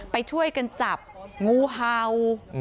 ไปช่วยกันจับงูเห่า